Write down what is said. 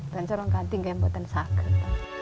dan sekarang gantian kembatan sakit